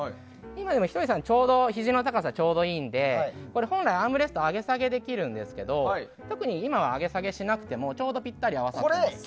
ひとりさん、ひじの高さが今ちょうどいいので本来アームレスト上げ、下げできるんですが今は上げ、下げしなくてもちょうどぴったり合わさってます。